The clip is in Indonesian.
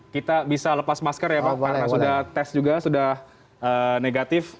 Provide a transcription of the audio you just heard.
kita bisa lepas masker ya pak karena sudah tes juga sudah negatif